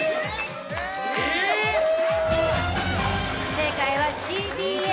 正解はＣＢＡ。